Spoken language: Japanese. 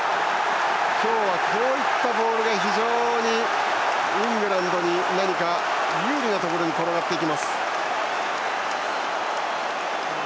今日は、こういったボールが非常にイングランドに何か、有利なところに転がります。